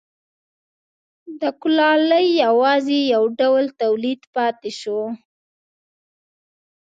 د کولالۍ یوازې یو ډول تولید پاتې شو